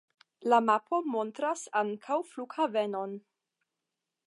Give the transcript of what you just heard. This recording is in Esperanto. La mapo montras ankaŭ flughavenon.